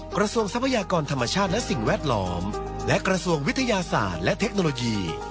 ทรัพยากรธรรมชาติและสิ่งแวดล้อมและกระทรวงวิทยาศาสตร์และเทคโนโลยี